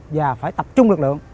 và phải tập trung lực lượng